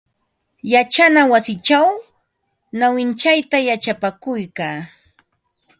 Yachana wasichaw nawintsayta yachapakuykaa.